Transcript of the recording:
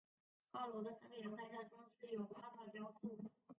二楼的三个阳台下装饰有花草雕塑。